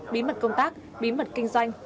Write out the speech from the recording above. bí mật công tác bí mật kinh doanh